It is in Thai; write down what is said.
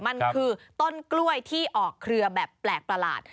มันคือต้นกล้วยที่ออกเครือแบบแปลกประหลาด